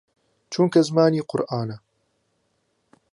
چونکە زمانی قورئانە